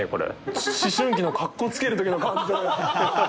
思春期のかっこつけるときの感情よ。